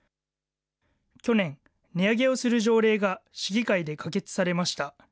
去年、値上げをする条例が市議会で可決されました。